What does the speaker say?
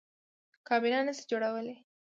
کابینه نه شي جوړولی.